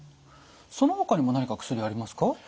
そのほかにも何か薬ありますか？